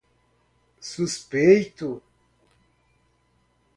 suspeito